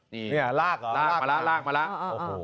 นี่ลากมาแล้ว